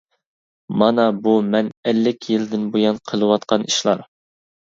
مانا بۇ مەن ئەللىك يىلدىن بۇيان قىلىۋاتقان ئىشلار.